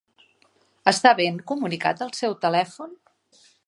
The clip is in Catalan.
Està ben comunicat el seu telèfon?